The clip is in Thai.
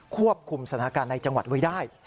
ควบคุมสถานการณ์ในจังหวัดไว้ได้